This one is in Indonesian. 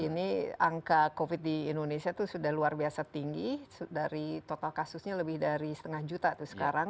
ini angka covid di indonesia itu sudah luar biasa tinggi dari total kasusnya lebih dari setengah juta tuh sekarang